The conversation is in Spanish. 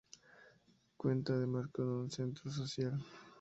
Cuenta además con un centro social.